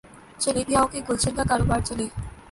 چلے بھی آؤ کہ گلشن کا کاروبار چلے